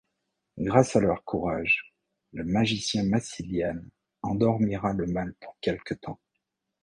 Grâce à leur courage, le magicien Massilian endormira le mal pour quelque temps.